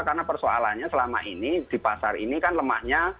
karena persoalannya selama ini di pasar ini kan lemahnya